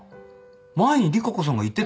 前に利佳子さんが言ってたやつ